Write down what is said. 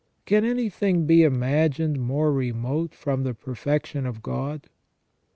Can anything be imagined more remote from the perfection of God ?